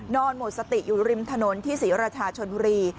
หมดสติอยู่ริมถนนที่ศรีราชาชนบุรี